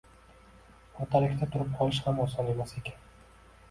O‘rtalikda turib qolish ham oson emas ekan